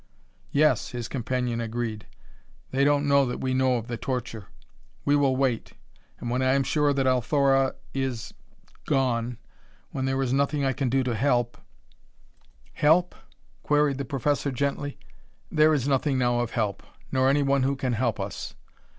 "Yes," his companion agreed, "they don't know that we know of the torture. We will wait ... and when I am sure that Althora is gone ... when there is nothing I can do to help " "Help?" queried the professor gently. "There is nothing now of help, nor anyone who can help us.